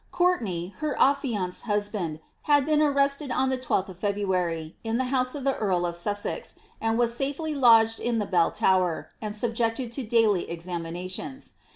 Courtenay, her affianced husband, had been arrested on the 12th of February, in the house of the earl of Sussex, and was safely lodged in the bell tower, and subjected to daily examinations.